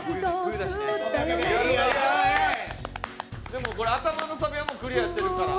でもこれ頭のサビはもうクリアしてるから。